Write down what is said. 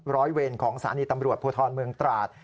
ร้อยเวรของสถานีตำรวจภูทรเมืองตราด